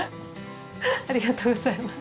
ありがとうございます。